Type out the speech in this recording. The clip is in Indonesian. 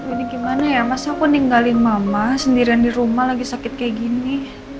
ini gimana ya masa aku ninggalin mama sendirian di rumah lagi sakit kayak gini